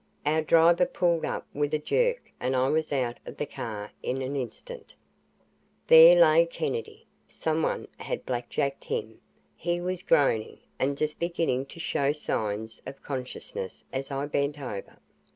Our driver pulled up with a jerk and I was out of the car in an instant. There lay Kennedy! Someone had blackjacked him. He was groaning and just beginning to show signs of consciousness as I bent over.